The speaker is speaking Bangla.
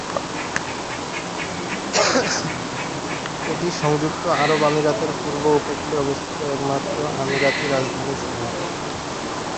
এটি সংযুক্ত আরব আমিরাতের পূর্ব উপকূলে অবস্থিত একমাত্র আমিরাতি রাজধানী শহর।